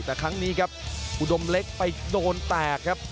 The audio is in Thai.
แต่ครั้งนี้ครับอุดมเล็กไปโดนแตกครับ